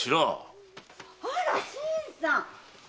あら新さん